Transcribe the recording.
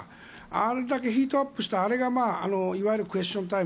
あれだけヒートアップしたあれがいわゆるクエスチョンタイム